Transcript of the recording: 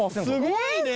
すごい。